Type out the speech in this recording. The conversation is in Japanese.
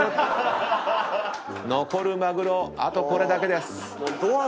残るマグロあとこれだけです。